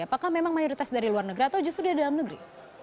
apakah memang mayoritas dari luar negeri atau justru dari dalam negeri